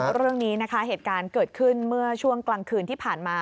เรื่องนี้นะคะเหตุการณ์เกิดขึ้นเมื่อช่วงกลางคืนที่ผ่านมา